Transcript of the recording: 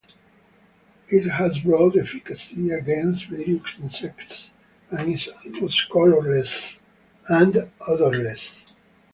It has broad efficacy against various insects and is almost colorless and odorless.